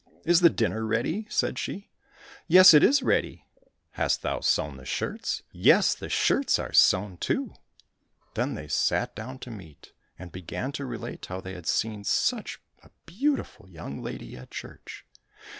" Is the dinner ready }" said she. —" Yes, it is ready." —" Hast thou sewn the shirts }"—" Yes, the shirts are sewn too." — Then they sat down to meat, and began to relate how they had seen such a beautiful young lady at church.